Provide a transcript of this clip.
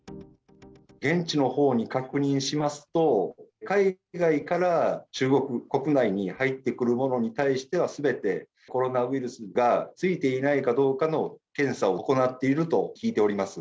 現地のほうに確認しますと、海外から中国国内に入ってくるものに対しては、すべてコロナウイルスがついていないかどうかの検査を行っていると聞いております。